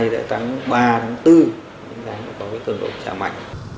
nó có cái cường độ bức trạng mạnh